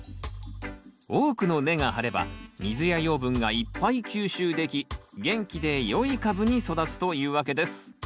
多くの根が張れば水や養分がいっぱい吸収でき元気でよい株に育つというわけです。